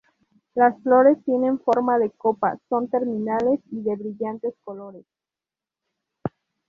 Las flores tienen forma de copa, son terminales y de brillantes colores.